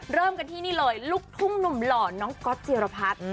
เริ่มกันที่นี่เลยลูกทุ่งหนุ่มหล่อน้องก๊อตจิรพัฒน์